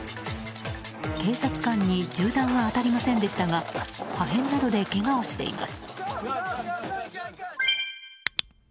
警察官に銃弾は当たりませんでしたが破片などでけがをしています。